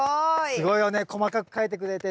すごいよね細かく書いてくれて。